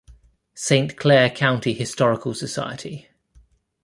Saint Clair County Historical Society.